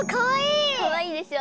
かわいいでしょ。